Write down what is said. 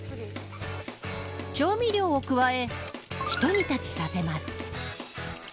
調味料を加えひと煮立ちさせます。